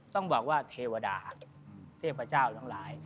ต้องบอกว่าเทวดาเทพเจ้าทั้งหลาย